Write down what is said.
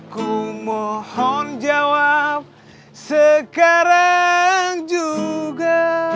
ku mohon jawab sekarang juga